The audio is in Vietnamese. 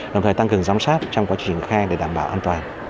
đồng thời tăng cường giám sát trong quá trình khai để đảm bảo an toàn